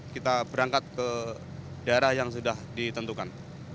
kita berangkat ke daerah yang sudah ditentukan